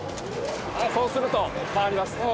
そうすると回りますね。